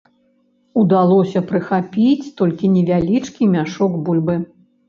Удалося прыхапіць толькі невялічкі мяшок бульбы.